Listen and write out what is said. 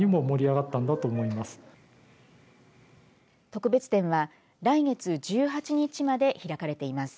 特別展は来月１８日まで開かれています。